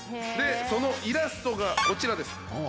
そのイラストがこちらです